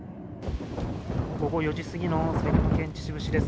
午後４時過ぎの埼玉県秩父市です。